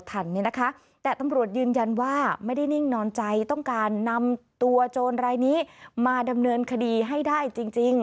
แต่ตำรวจยืนยันว่าไม่ได้นิ่งนอนใจต้องการนำตัวโจรรายนี้มาดำเนินคดีให้ได้จริง